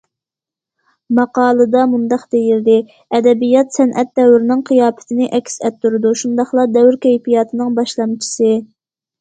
ماقالىدا مۇنداق دېيىلدى: ئەدەبىيات سەنئەت دەۋرنىڭ قىياپىتىنى ئەكس ئەتتۈرىدۇ، شۇنداقلا دەۋر كەيپىياتىنىڭ باشلامچىسى.